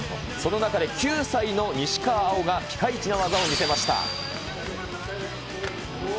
その中で９歳の西川有生が、ピカイチな技を見せました。